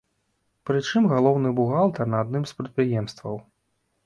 Пры чым галоўны бухгалтар на адным з прадпрыемстваў.